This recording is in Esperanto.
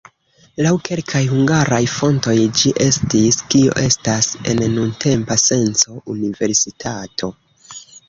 Laŭ kelkaj hungaraj fontoj ĝi estis kio estas en nuntempa senco universitato.